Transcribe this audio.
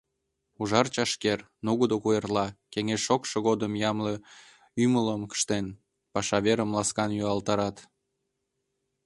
Ужар чашкер, нугыдо куэрла, кеҥеж шокшо годым ямле ӱмылым ыштен, паша верым ласкан юалтарат.